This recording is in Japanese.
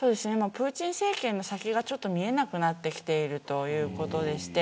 プーチン政権の先がちょっと見えなくなってきているということです。